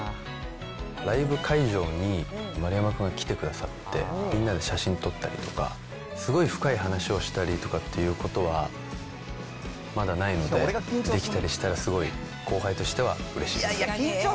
ライブ会場に丸山君が来てくださって、みんなで写真撮ったりとか、すごい深い話をしたりとかってことは、まだないので、できたりしたら、すごい後輩としてはうれしいです。